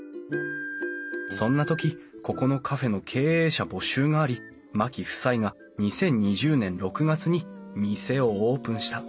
そんな時ここのカフェの経営者募集があり牧夫妻が２０２０年６月に店をオープンした。